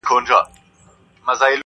شرنګی دی د ناپایه قافلې د جرسونو،